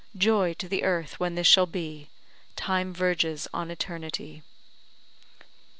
Joy, to the earth, when this shall be, Time verges on eternity."